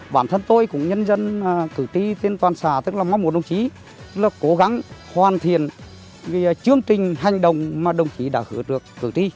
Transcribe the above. bản thân tôi cũng nhân dân cử tri tiên toàn xà tức là mong muốn đồng chí cố gắng hoàn thiện chương trình hành động mà đồng chí đã hứa được cử tri